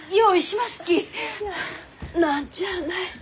何ちゃあない。